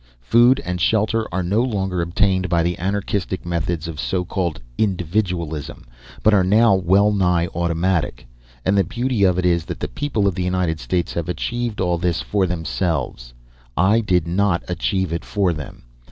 Food and shelter are no longer obtained by the anarchistic methods of so called individualism but are now wellnigh automatic. And the beauty of it is that the people of the United States have achieved all this for themselves. I did not achieve it for them.